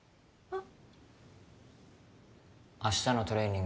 あっ？